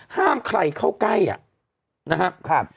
ห้ามใครเข้าใกล้นะครับ